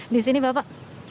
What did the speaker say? di sini bapak